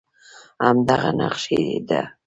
همدغه نقش یې دی